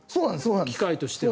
機械としては。